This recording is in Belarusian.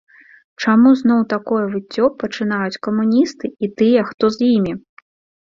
Чаму зноў такое выццё пачынаюць камуністы і тыя, хто з імі?